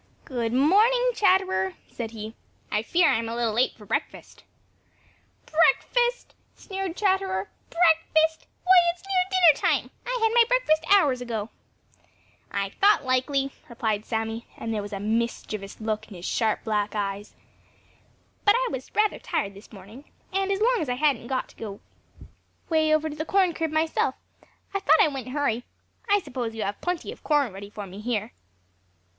"Good morning, Chatterer," said he. "I fear I am a little late for breakfast." "Breakfast!" sneered Chatterer, "Breakfast! Why, it's nearer dinner time. I had my breakfast hours ago." "I thought likely," replied Sammy, and there was a mischievous look in his sharp black eyes, "but I was rather tired this morning, and as long as I hadn't got to go way over to the corn crib myself, I thought I wouldn't hurry. I suppose you have plenty of corn ready for me here."